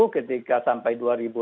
ketika sampai dua ribu empat belas